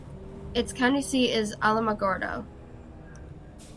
Its county seat is Alamogordo.